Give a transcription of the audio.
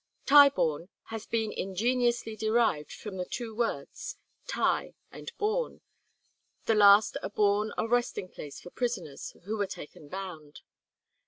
Tyebourne has been ingeniously derived from the two words "Tye" and "bourne," the last a bourne or resting place for prisoners who were taken bound.